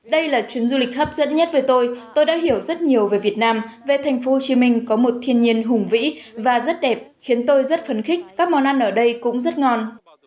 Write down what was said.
đây là chuyến du lịch hấp dẫn nhất với tôi tôi đã hiểu rất nhiều về việt nam về tp hcm có một thiên nhiên hùng vĩ và rất đẹp khiến tôi rất phấn khích các món ăn ở đây cũng rất ngon